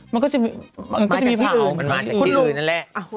มันมาจากที่อื่นนั่นแหละ